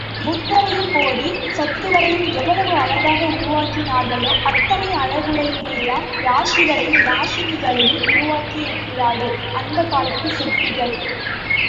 புத்தரையும் போதி சத்துவரையும் எவ்வளவு அழகாக உருவாக்கினார்களோ அத்தனை அழகுடனேயேதான் யக்ஷர்களையும் யக்ஷிணிகளையும் உருவாக்கியிருக்கிறார்கள் அந்தக் காலத்துச் சிற்பிகள்.